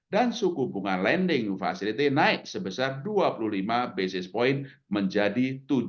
dan suku bunga lending facility naik sebesar dua puluh lima basis point menjadi tujuh